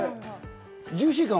ジューシー感は？